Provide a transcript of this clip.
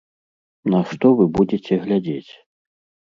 На што вы будзеце глядзець?